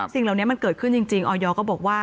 สิ่งเหล่านี้มันเกิดขึ้นจริงออยก็บอกว่า